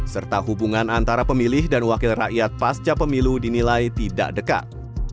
serta hubungan antara pemilih dan wakil rakyat pasca pemilu dinilai tidak dekat